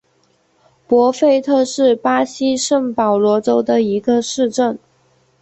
博费特是巴西圣保罗州的一个市镇。